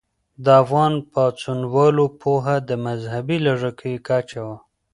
د افغان پاڅونوالو پوهه د مذهبي لږکیو کچه وه.